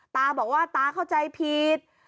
ตาบอกว่าตาเข้าใจผิด